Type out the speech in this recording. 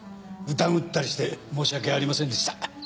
疑ったりして申し訳ありませんでした。